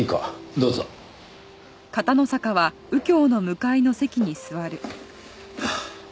どうぞ。はあ。